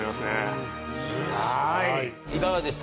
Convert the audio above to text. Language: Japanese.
いかがでした？